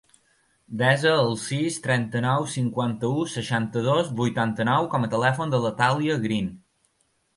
Desa el sis, trenta-nou, cinquanta-u, seixanta-dos, vuitanta-nou com a telèfon de la Thàlia Green.